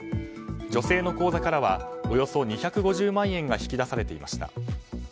女性の口座からはおよそ２５０万円が引き出されていました。